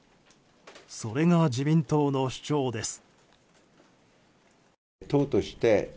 それが自民党の主張です。